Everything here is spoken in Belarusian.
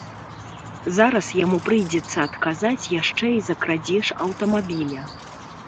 Зараз яму прыйдзецца адказаць яшчэ і за крадзеж аўтамабіля.